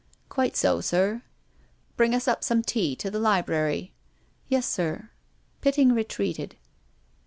" Quite so, sir," " Bring us up some tea to the library." " Yes, sir." Pitting retreated.